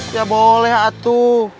ya boleh atu